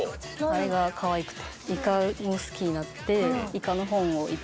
あれがかわいくて。